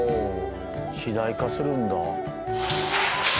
肥大化するんだ。